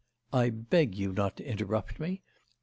'I beg you not to interrupt me.